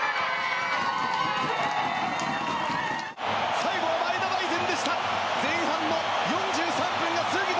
最後は前田大然でした。